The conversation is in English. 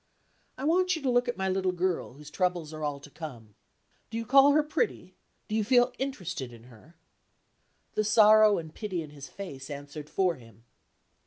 I want you to look at my little girl, whose troubles are all to come. Do you call her pretty? Do you feel interested in her?" The sorrow and pity in his face answered for him.